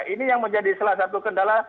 ini yang menjadi salah satu kendala